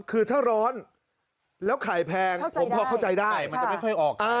คือถ้าร้อนแล้วไข่แพงผมพอเข้าใจได้มันจะไม่ค่อยออก